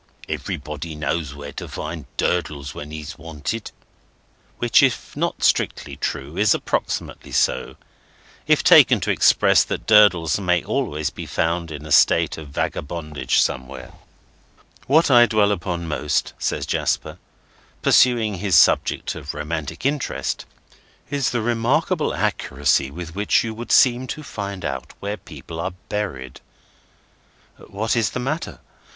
Everybody knows where to find Durdles, when he's wanted." Which, if not strictly true, is approximately so, if taken to express that Durdles may always be found in a state of vagabondage somewhere. "What I dwell upon most," says Jasper, pursuing his subject of romantic interest, "is the remarkable accuracy with which you would seem to find out where people are buried.—What is the matter?